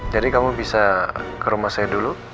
jadi kamu bisa ke rumah saya dulu